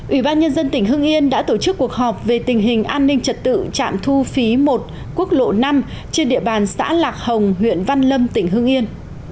ủy ban nhân dân tỉnh hưng yên đã tổ chức cuộc họp về tình hình an ninh trật tự trạm thu phí một quốc lộ năm trên địa bàn xã lạc hồng huyện văn lâm tỉnh hưng yên